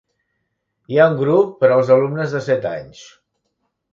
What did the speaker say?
Hi ha un grup per als alumnes de set anys.